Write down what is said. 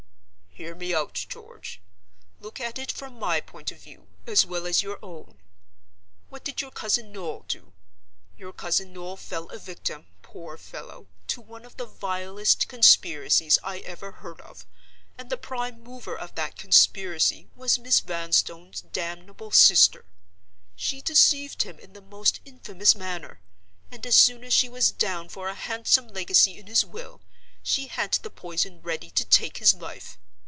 "Hear me out, George; look at it from my point of view, as well as your own. What did your cousin Noel do? Your cousin Noel fell a victim, poor fellow, to one of the vilest conspiracies I ever heard of, and the prime mover of that conspiracy was Miss Vanstone's damnable sister. She deceived him in the most infamous manner; and as soon as she was down for a handsome legacy in his will, she had the poison ready to take his life.